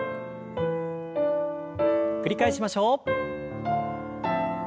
繰り返しましょう。